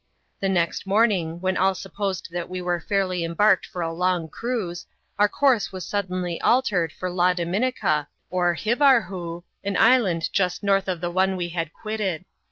The next morning, when all supposed that we were fairly embarked for a long cruise, our course was suddenly altered fi^ La Dominica, or Hivarhoo, an island just north of the one we had quitted.